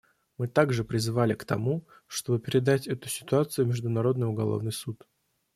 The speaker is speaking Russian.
Мы также призывали к тому, чтобы передать эту ситуацию в Международный уголовный суд.